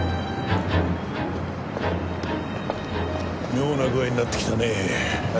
妙な具合になってきたねえ。